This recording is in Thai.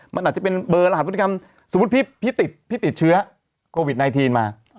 มันอาจจะเป็นเบอร์รหัสพฤติกรรมสมมุติพี่ติดพี่ติดเชื้อโควิด๑๙มา